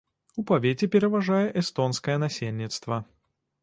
У павеце пераважае эстонскае насельніцтва.